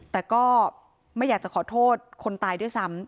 แต่ก็ไม่อยากจะขอโทษคนตายด้วยซ้ำ